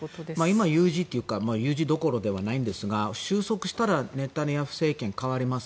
今は有事というか有事どころではないんですが収束したらネタニヤフ政権が代わります。